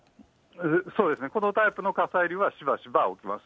そうですね、そのタイプの火砕流はしばしば起きます。